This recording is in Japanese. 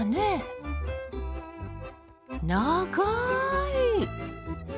長い！